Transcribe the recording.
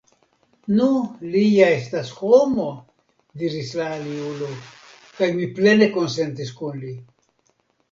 Nu, li ja estas homo, diris la aliulo, kaj mi plene konsentis kun li.